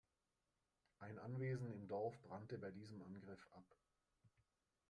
Ein Anwesen im Dorf brannte bei diesem Angriff ab.